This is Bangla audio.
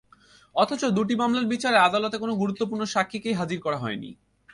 অথচ দুটি মামলার বিচারে আদালতে কোনো গুরুত্বপূর্ণ সাক্ষীকেই হাজির করা হয়নি।